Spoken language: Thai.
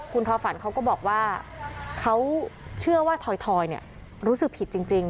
คุณทอฝันเขาก็บอกว่าเขาเชื่อว่าถอยรู้สึกผิดจริง